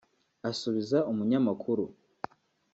Asubiza umunyamakuru